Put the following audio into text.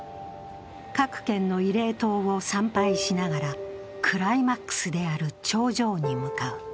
各県の慰霊塔を参拝しながら、クライマックスである頂上に向かう。